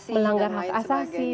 melanggar hak asasi dan lain sebagainya